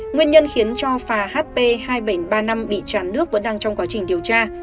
nguyên nhân khiến cho phà hp hai nghìn bảy trăm ba mươi năm bị chạn nước vẫn đang trong quá trình điều tra